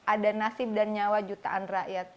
ada nasib dan nyawa jutaan rakyat